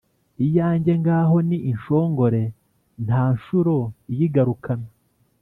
Iyanjye ngabo ni inshongore nta nshuro iyigarukana.